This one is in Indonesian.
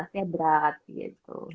intensitasnya berat gitu